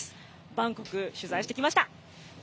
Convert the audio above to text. バンコク取材してきました。